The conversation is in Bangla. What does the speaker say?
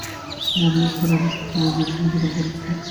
রিক আর আমি সেসময় গিয়েছিলাম যখন জলে পুরো টইটুম্বুর অবস্থা ছিল।